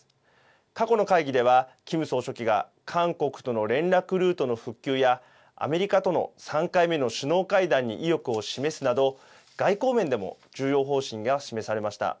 過去の会議では、キム総書記が韓国との連絡ルートの復旧やアメリカとの３回目の首脳会談に意欲を示すなど外交面でも重要方針が示されました。